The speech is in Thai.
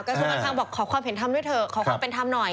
กระทรวงการคลังบอกขอความเห็นทำด้วยเถอะขอความเป็นธรรมหน่อย